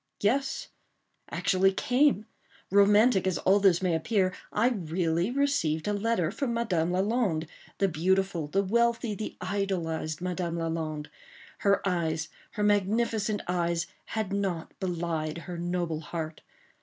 Yes, actually came. Romantic as all this may appear, I really received a letter from Madame Lalande—the beautiful, the wealthy, the idolized Madame Lalande. Her eyes—her magnificent eyes, had not belied her noble heart.